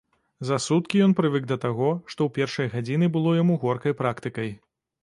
За суткі ён прывык да таго, што ў першыя гадзіны было яму горкай практыкай.